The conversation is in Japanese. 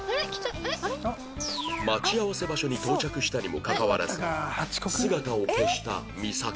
待ち合わせ場所に到着したにもかかわらず姿を消したミサキ